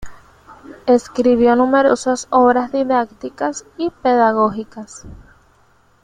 Escribió numerosas obras didácticas y pedagógicas